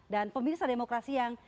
dan pemirsa demokrasi yang